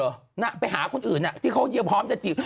กว้างหรอไปหาคนอื่นน่ะที่เขาพร้อมจะจีบ